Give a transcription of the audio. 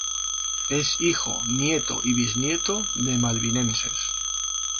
Es hijo, nieto y bisnieto de malvinenses.